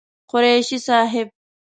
قريشي صاحب